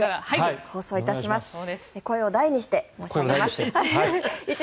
声を大にして申し上げます。